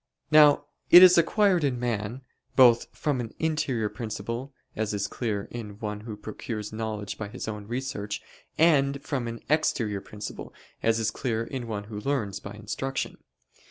Now knowledge is acquired in man, both from an interior principle, as is clear in one who procures knowledge by his own research; and from an exterior principle, as is clear in one who learns (by instruction).